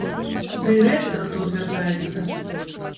Дый рэдка хто звяртаецца.